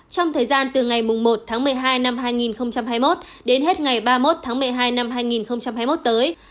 trong thời gian từ ngày một tháng một mươi hai năm hai nghìn hai mươi một đến hết ngày ba mươi một tháng một mươi hai năm hai nghìn hai mươi một tới